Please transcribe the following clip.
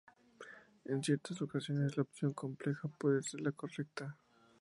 En ciertas ocasiones, la opción compleja puede ser la correcta.